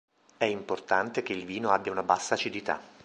È importante che il vino abbia una bassa acidità.